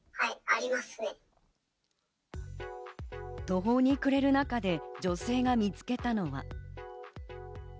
途方に暮れる中で女性が見つけたのは。